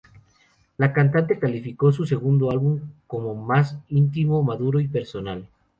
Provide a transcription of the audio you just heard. La cantante calificó su segundo álbum como más íntimo, maduro y personal.